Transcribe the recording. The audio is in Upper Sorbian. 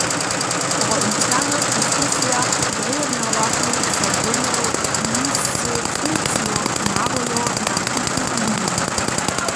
Po internych diskusijach dojednawachu so Domowinscy funkcionarojo na tutu liniju.